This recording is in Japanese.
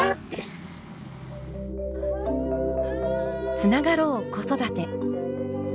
「＃つながろう子育て」。